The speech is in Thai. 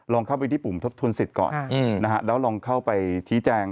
ลองเข้าไปที่ปุ่มทดทุนศิษฐ์ก่อนแล้วลองเข้าไปทีแจง